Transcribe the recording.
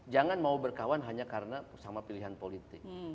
jangan mau berkawan hanya karena sama pilihan politik